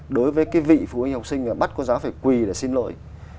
đối với cái vị phụ huynh học sinh là bắt cô giáo phải quỳ để xin lỗi